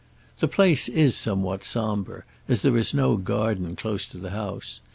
The place is somewhat sombre, as there is no garden close to the house.